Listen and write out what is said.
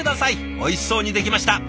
おいしそうにできました。